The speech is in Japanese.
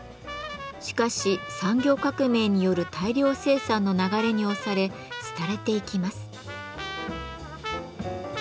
しかし産業革命による大量生産の流れに押され廃れていきます。